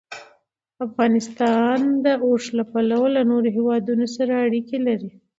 افغانستان د اوښ له پلوه له نورو هېوادونو سره اړیکې لري.